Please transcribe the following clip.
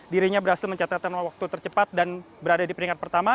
dirinya berhasil mencatatkan waktu tercepat dan berada di peringkat pertama